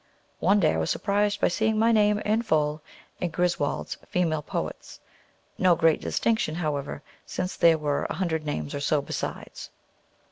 One day I was surprised by seeing my name in full in Griswold's "Female Poet's;" no great distinction, however, since there were a hundred names or so, besides.